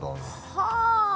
はあ！